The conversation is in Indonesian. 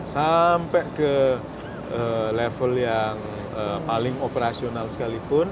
sampai ke level yang paling operasional sekalipun